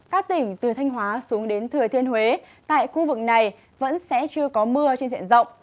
các tỉnh từ thanh hóa xuống đến thừa thiên huế tại khu vực này vẫn sẽ chưa có mưa trên diện rộng